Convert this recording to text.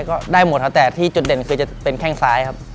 ก็ได้หมดครับแต่ที่จุดเด่นคือจะเป็นแข้งซ้ายครับ